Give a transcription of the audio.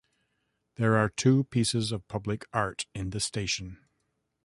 There are two pieces of public art in the station.